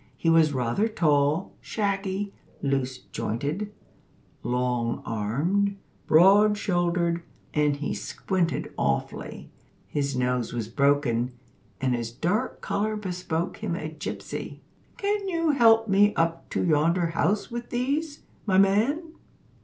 He was rather tall, shaggy, loose jointed, long armed, broad shouldered, and he squinted awfully. His nose was broken, and his dark colour bespoke him a gypsy. "Can you help me up to yonder house with these things, my man?"